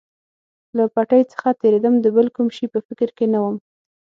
له پټۍ څخه تېرېدم، د بل کوم شي په فکر کې نه ووم.